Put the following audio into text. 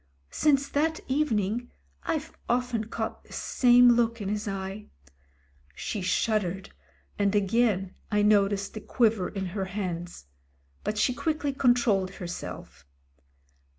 Since that evening I've often caught the same look in his eye." She shuddered, and again I noticed the quiver in her hands, but she quickly controlled herself.